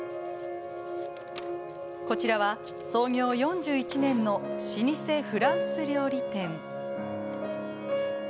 こちらは、創業４１年の老舗フランス料理店。